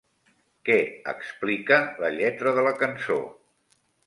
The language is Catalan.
Què explica la lletra de la cançó?